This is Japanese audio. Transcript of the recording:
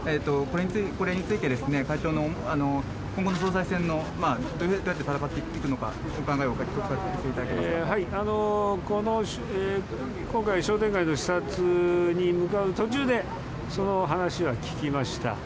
これについてですね、会長の今後の総裁選の、どうやって戦っていくのか、今回、商店街の視察に向かう途中で、その話は聞きました。